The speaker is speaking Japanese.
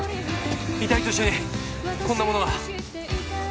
遺体と一緒にこんなものが。